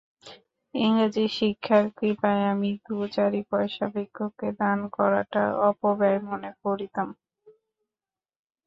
ইংরেজী শিক্ষার কৃপায় আমি দুই-চারি পয়সা ভিক্ষুককে দান করাটা অপব্যয় মনে করিতাম।